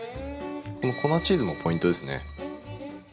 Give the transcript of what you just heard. この粉チーズもポイントですね。